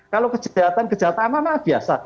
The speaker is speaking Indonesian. kalau kejahatan kejahatan anak biasa